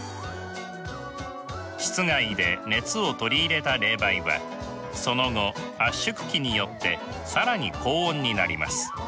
室外で熱を取り入れた冷媒はその後圧縮機によって更に高温になります。